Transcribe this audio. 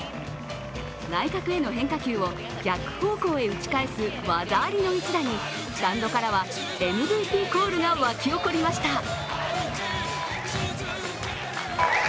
内角への変化球を逆方向へ打ち返す技ありの一打にスタンドからはＭＶＰコールが沸き起こりました。